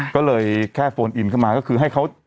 ก็เลยแค่โฟนอินเข้ามาก็คือให้เขา